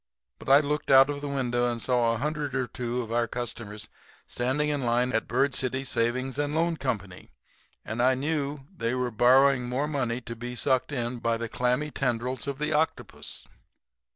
But I looked out the window and saw a hundred or two of our customers standing in line at Bird City Savings and Loan Co., and I knew they were borrowing more money to be sucked in by the clammy tendrils of the octopus.